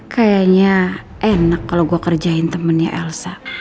kayaknya enak kalau gue kerjain temennya elsa